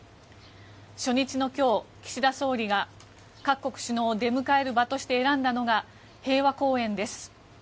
初日の今日、岸田総理が各国首脳を迎える場として選んだのが平和公園です。